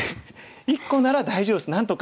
１個なら大丈夫ですなんとか。